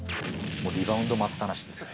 リバウンド待ったなしですね。